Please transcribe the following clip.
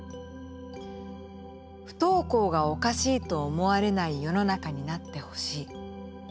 「不登校がおかしいと思われない世の中になって欲しい。